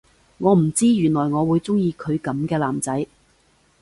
我唔知原來我會鍾意佢噉嘅男仔